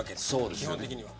基本的には。